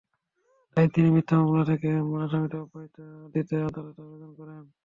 তাই তিনি মিথ্যা মামলা থেকে আসামিদের অব্যাহতি দিতে আদালতে আবেদন করেন।